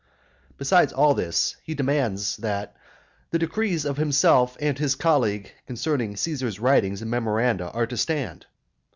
Besides all this, he demands "that the decrees of himself and his colleague concerning Caesar's writings and memoranda are to stand."